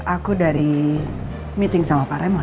aku dari meeting sama pak remon